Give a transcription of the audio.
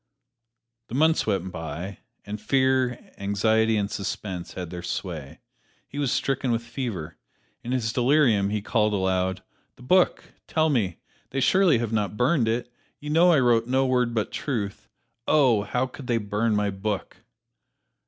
The months went by, and fear, anxiety and suspense had their sway. He was stricken with fever. In his delirium he called aloud, "The book tell me they surely have not burned it you know I wrote no word but truth oh, how could they burn my book!"